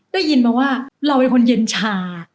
ได้ยินมาว่าเราเป็นคนเย็นชา